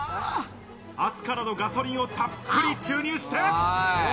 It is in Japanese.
明日からのガソリンをたっぷり注入して。